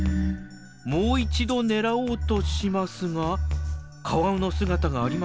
もう一度狙おうとしますがカワウの姿がありません。